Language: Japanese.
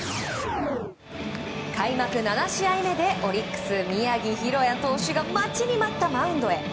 開幕７試合目でオリックス、宮城大弥投手が待ちに待ったマウンドへ。